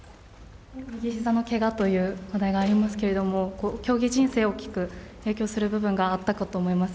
右ひざのけがという問題がありますけれども、競技人生、大きく影響する部分があったかと思います。